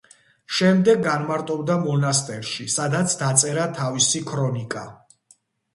შემდეგ განმარტოვდა მონასტერში, სადაც დაწერა თავისი „ქრონიკა“.